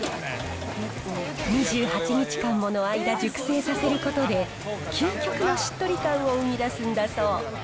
２８日間もの間、熟成させることで、究極のしっとり感を生み出すんだそう。